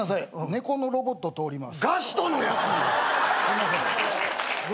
猫のロボット通ります。